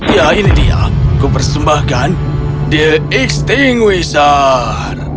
ya ini dia kupersembahkan the extinguisher